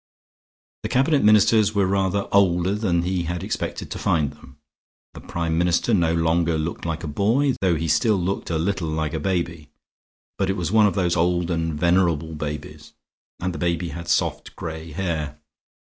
The cabinet ministers were rather older than he had expected to find them. The Prime Minister no longer looked like a boy, though he still looked a little like a baby. But it was one of those old and venerable babies, and the baby had soft gray hair.